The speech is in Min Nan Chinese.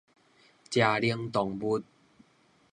食奶動物